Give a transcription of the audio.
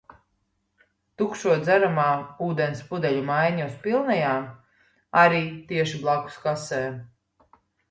Tukšo dzeramā ūdens pudeļu maiņa uz pilnajām - arī tieši blakus kasēm.